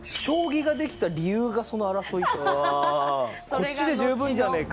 こっちで十分じゃねえかっつって。